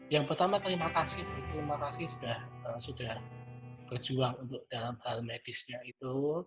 yang pertama terima kasih terima kasih sudah berjuang untuk dalam hal medisnya itu